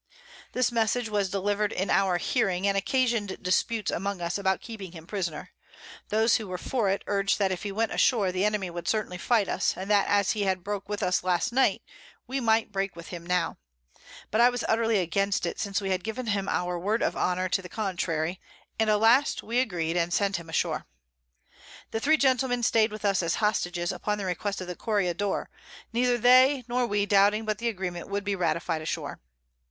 This Message was deliver'd in our Hearing, and occasion'd Disputes among us about keeping him Prisoner; those who were for it urg'd, that if he went ashore the Enemy would certainly fight us, and that as he had broke with us last Night, we might break with him now; but I was utterly against it, since we had given him our Word of Honour to the contrary; and at last we agreed, and sent him ashore. The three Gentlemen staid with us as Hostages, upon request of the Corregidore, neither they nor we doubting but the Agreement would be ratified ashore.